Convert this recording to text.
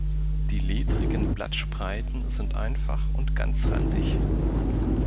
Die ledrigen Blattspreiten sind einfach und ganzrandig.